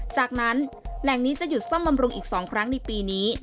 จากนั้นแหล่งนี้จะหยุดซ่อมบำรุงอีก๒ครั้งในปีนี้